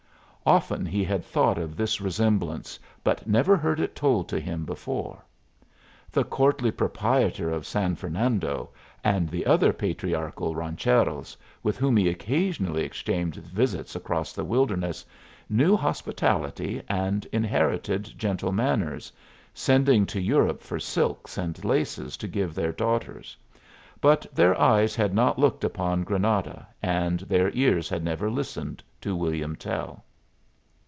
Often he had thought of this resemblance, but never heard it told to him before. The courtly proprietor of San Fernando, and the other patriarchal rancheros with whom he occasionally exchanged visits across the wilderness, knew hospitality and inherited gentle manners, sending to Europe for silks and laces to give their daughters; but their eyes had not looked upon Granada, and their ears had never listened to "William Tell."